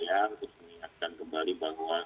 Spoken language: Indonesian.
yang terus mengingatkan kembali bahwa